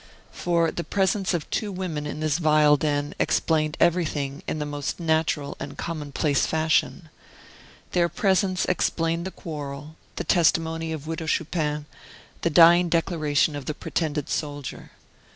For the presence of two women in this vile den explained everything in the most natural and commonplace fashion. Their presence explained the quarrel, the testimony of Widow Chupin, the dying declaration of the pretended soldier.